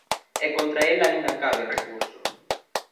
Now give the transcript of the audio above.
E contra el aínda cabe recurso.